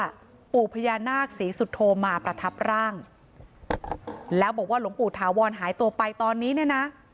ปู่พญานาคศรีสุโธมาประทับร่างแล้วบอกว่าหลวงปู่ถาวรหายตัวไปตอนนี้เนี่ยนะ